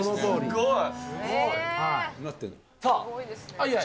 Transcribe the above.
すごい。